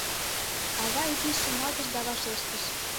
Ава изиш шоналтыш да вашештыш: